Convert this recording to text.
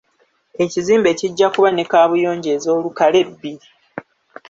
Ekizimbe kijja kuba ne kaabuyonjo ez'olukale bbiri.